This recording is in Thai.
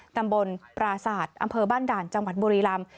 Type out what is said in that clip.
ตำบลปราศาสตร์อำเภอบ้านด่านจังหวัดบุรีลำ